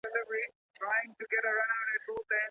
که د ښاروالۍ تجهیزات پوره وي، نو کارونه نه ځنډیږي.